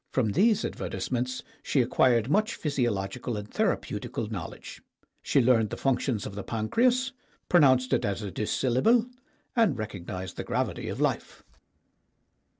From these advertisements she acquired much physiological and therapeutical knowl edge. She learned the functions of the pancreas, pro nounced it as a dissyllable, and recognized the gravity of life.